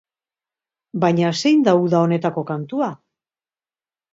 Baina zein da uda honetako kantua?